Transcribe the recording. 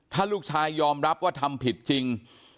ถ้าลูกชายยอมรับว่าทำผิดจริง